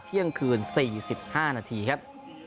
เที่ยงคืน๔๕นาทีครับ